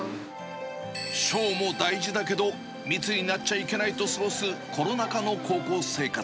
賞も大事だけど、密になっちゃいけないと過ごすコロナ禍の高校生活。